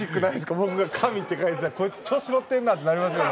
僕が「神」って書いてたらこいつ調子乗ってんなってなりますよね